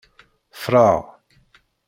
Ffreɣ.